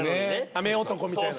雨男みたいな。